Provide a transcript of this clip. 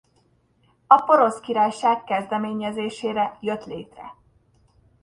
A Porosz Királyság kezdeményezésére jött létre.